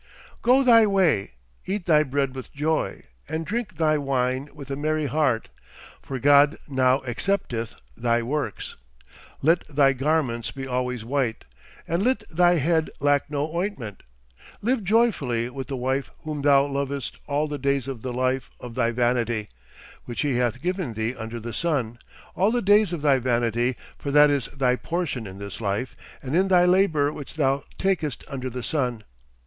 * Go thy way, eat thy bread with joy, and drink thy wine with a merry heart; for God now accepteth thy works. Let thy garments be always white; and let thy head lack no ointment. Live joyfully with the wife whom thou lovest all the days of the life of thy vanity, which he hath given thee under the sun, all the days of thy vanity for that is thy portion in this life, and in thy labour which thou takest under the sun.